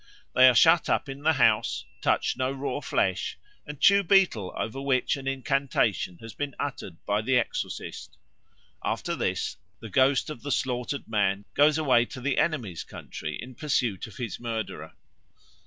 They are shut up in the house, touch no raw flesh, and chew betel over which an incantation has been uttered by the exorcist. After this the ghost of the slaughtered man goes away to the enemy's country in pursuit of his murderer.